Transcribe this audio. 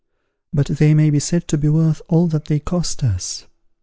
But they may be said to be worth all that they cost us.